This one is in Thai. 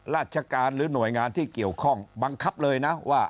ราชการหรือหน่วยงานที่เกี่ยวข้องบังคับเลยนะว่า